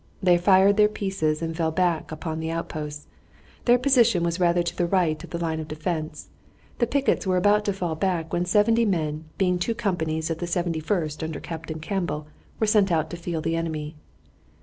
They fired their pieces and fell back upon the outposts. Their position was rather to the right of the line of defense. The pickets were about to fall back when 70 men, being two companies of the Seventy first under Captain Campbell, were sent out to feel the enemy.